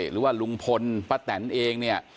หรือว่าลุงพลป้าแตนเองเนี่ย